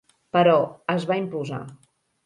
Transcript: Però, es va imposar.